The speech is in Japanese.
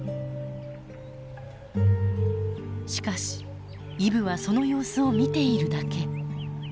しかしイブはその様子を見ているだけ。